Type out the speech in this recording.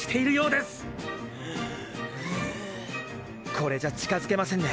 これじゃ近づけませんね。